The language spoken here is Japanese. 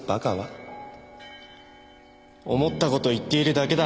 思ったことを言っているだけだ。